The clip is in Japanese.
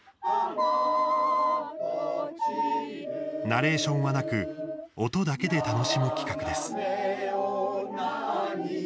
ナレーションはなく音だけで楽しむ企画です。